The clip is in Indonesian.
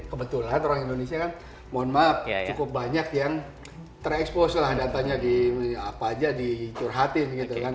kebetulan orang indonesia kan mohon maaf cukup banyak yang terekspos lah datanya di apa aja dicurhatin gitu kan